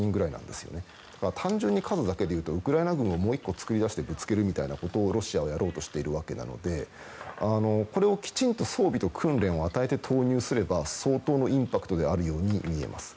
だから単純に数だけで言うとウクライナ軍をもう１個作り出してぶつけるということをロシアはやろうとしているわけなのでこれをきちんと装備を訓練を与えて投入すれば相当なインパクトであるように見えます。